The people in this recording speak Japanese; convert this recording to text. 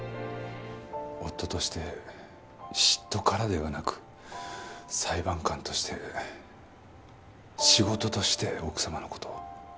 夫として嫉妬からではなく裁判官として仕事として奥様の事を？